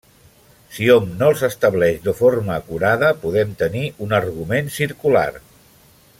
Si hom no els estableix de forma acurada, podem tenir un argument circular.